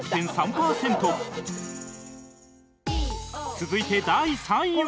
続いて第３位は